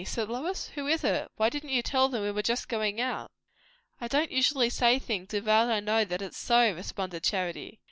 said Lois. "Who is it? why didn't you tell them we were just going out?" "I don't usually say things without I know that it's so," responded Charity.